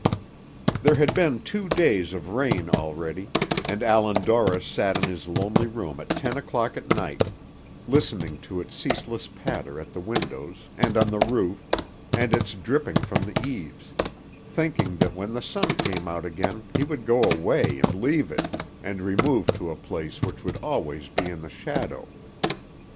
There had been two days of rain already, and Allan Dorris sat in his lonely room at ten o'clock at night, listening to its ceaseless patter at the windows, and on the roof, and its dripping from the eaves, thinking that when the sun came out again he would go away and leave it, and remove to a place which would always be in the shadow.